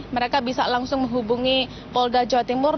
mereka bisa langsung menghubungi polda jawa timur